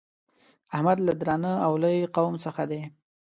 احمد له درانه او لوی قوم څخه دی.